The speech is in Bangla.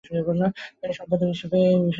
তিনি সম্পাদক হিসেবে খ্যাতি অর্জন করেন।